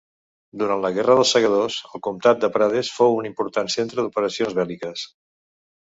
Durant la Guerra dels Segadors, el comtat de Prades fou un important centre d'operacions bèl·liques.